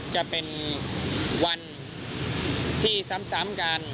จะเป็นวันที่ซ้ำกัน